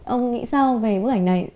ông nghĩ sao về bức ảnh này